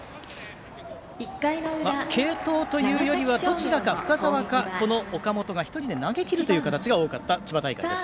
継投というよりはどちらか、深沢かこの岡本が１人で投げきる形が多かった千葉大会です。